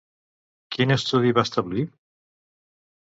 Quin estudi va establir?